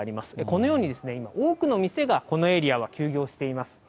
このように今、多くの店がこのエリアは休業しています。